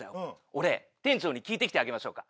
俺店長に聞いてきてあげましょうか。